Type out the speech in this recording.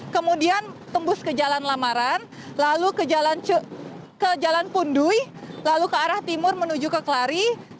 kemudian tembus ke jalan lamaran ke jalan pundui ke arah timur menuju ke klari